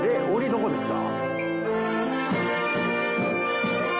どこですか？